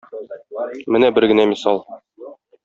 Менә бер генә мисал.